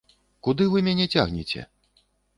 Куды вы мяне цягнеце?